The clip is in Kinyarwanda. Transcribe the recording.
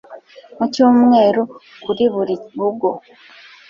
mu cyumweru kuri buri rugo